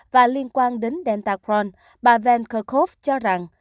và liên quan đến delta crohn bà van kerkhove cho rằng